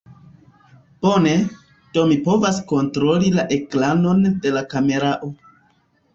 Bone, do mi povas kontroli la ekranon de la kamerao.